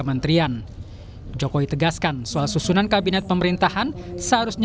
jangan tanya ke saya